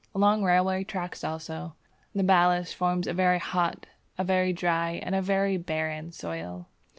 Along railway tracks, also, the ballast forms a very hot, a very dry, and a very barren soil.